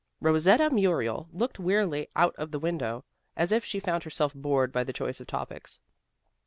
Rosetta Muriel looked wearily out of the window, as if she found herself bored by the choice of topics.